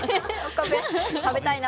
丘弁食べたいな。